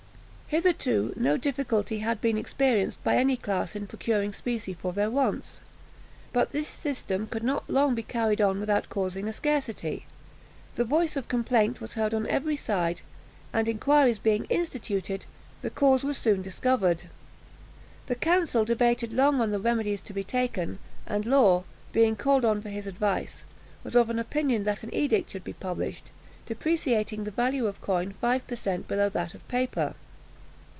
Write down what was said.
Hitherto no difficulty had been experienced by any class in procuring specie for their wants. But this system could not long be carried on without causing a scarcity. The voice of complaint was heard on every side, and inquiries being instituted, the cause was soon discovered. The council debated long on the remedies to be taken, and Law, being called on for his advice, was of opinion, that an edict should be published, depreciating the value of coin five per cent below that of paper.